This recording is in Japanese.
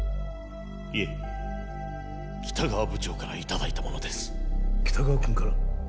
いえ北川部長から頂いたものです北川君から？